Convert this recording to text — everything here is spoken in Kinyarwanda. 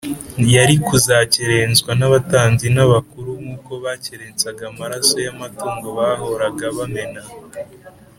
yari kuzakerenswa n’abatambyi n’abakuru nk’uko bakerensaga amaraso y’amatungo bahoraga bamena